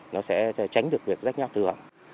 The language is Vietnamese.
nó sẽ tránh được việc rách nát thừa